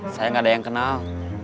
saya nggak ada yang kenal